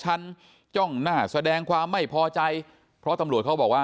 จ้องหน้าแสดงความไม่พอใจเพราะตำรวจเขาบอกว่า